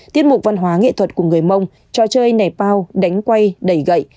tiết mục văn hóa nghệ thuật của người mông trò chơi nẻ pao đánh quay đẩy gậy